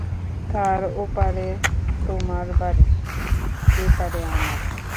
তার ও পারে তোমার বাড়ি, এ পারে আমার।